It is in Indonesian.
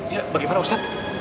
ya bagaimana ustad